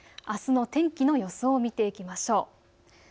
あすの天気の予想を見てみましょう。